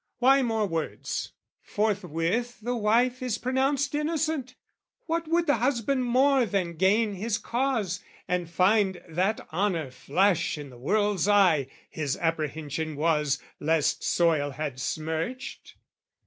Why more words? Forthwith the wife is pronounced innocent: What would the husband more than gain his cause, And find that honour flash in the world's eye, His apprehension was lest soil had smirched?